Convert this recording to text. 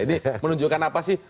ini menunjukkan apa sih